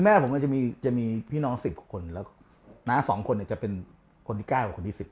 แม่ผมจะมี๑๐คนหน้าสองคนนี้จะเป็นคนที่๙กว่า๑๐